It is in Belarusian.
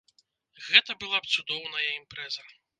Гэта была б цудоўная імпрэза!